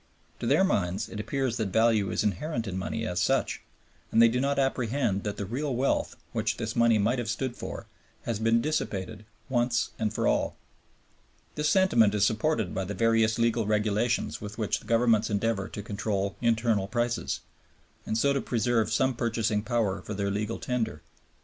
To their minds it appears that value is inherent in money as such, and they do not apprehend that the real wealth, which this money might have stood for, has been dissipated once and for all. This sentiment is supported by the various legal regulations with which the Governments endeavor to control internal prices, and so to preserve some purchasing power for their legal tender.